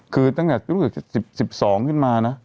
คือตั้งแต่รู้สึก๑๒ขึ้นมานะ